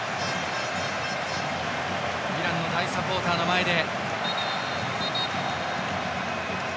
イランの大サポーターの前で。